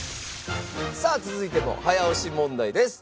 さあ続いても早押し問題です。